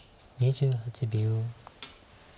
２８秒。